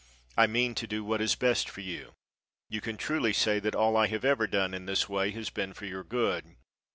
I mean to do what is best for you. You can truly say that all I have ever done in this way has been for your good.